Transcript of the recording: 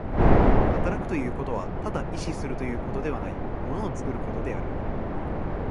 働くということはただ意志するということではない、物を作ることである。